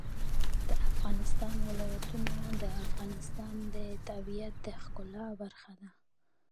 د افغانستان ولايتونه د افغانستان د طبیعت د ښکلا برخه ده.